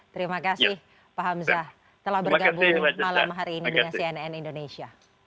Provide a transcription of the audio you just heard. terima kasih pak hamzah telah bergabung malam hari ini dengan cnn indonesia